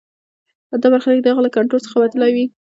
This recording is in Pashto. دا برخلیک د هغه له کنټرول څخه وتلی وي.